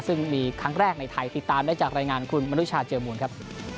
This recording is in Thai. ซึ่งมีครั้งแรกในไทยติดตามได้จากรายงานคุณมนุชาเจอมูลครับ